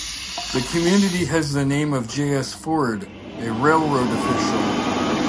The community has the name of J. S. Ford, a railroad official.